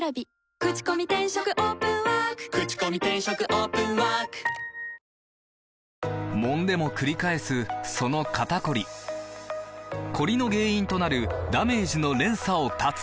アサヒの緑茶「颯」もんでもくり返すその肩こりコリの原因となるダメージの連鎖を断つ！